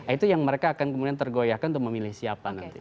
itu yang mereka akan kemudian tergoyahkan untuk memilih siapa nanti